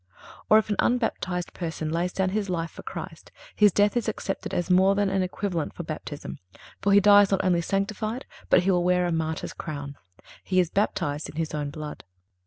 Or, if an unbaptized person lays down his life for Christ, his death is accepted as more than an equivalent for baptism; for he dies not only sanctified, but he will wear a martyr's crown. _He is baptized in his own blood.